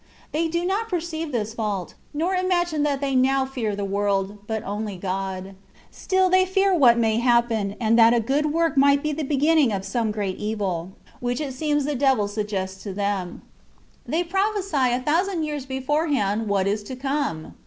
They do not perceive this fault, nor imagine that they now fear the world, but only God; still they fear what may happen, and that a good work* might be the beginning of some great evil, which it seems the devil suggests to them ; they prophesy a thousand years beforehand what is to come